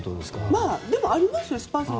でも、ありますよ。